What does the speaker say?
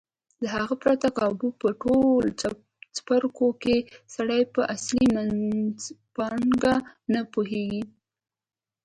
له هغه پرته کابو په ټولو څپرکو کې سړی په اصلي منځپانګه نه پوهېږي.